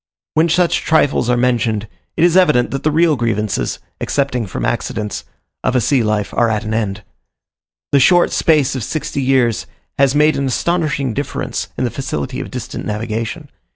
When such trifles are mentioned, it is evident that the real grievances, excepting from accidents, of a sea life are at an end. The short space of sixty years has made an astonishing difference in the facility of distant navigation.